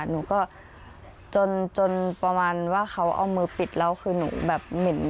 หนูก็จนจนประมาณว่าเขาเอามือปิดแล้วคือหนูแบบเหม็น